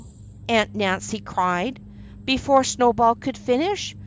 Aunt Nancy cried, before Snowball could finish.